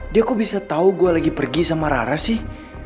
dia kok bisa tau gue lagi pergi sama rara sih